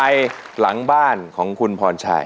พิจัยหลังบ้านของคุณพรชัย